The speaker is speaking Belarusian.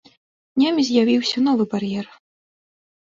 Днямі з'явіўся новы бар'ер.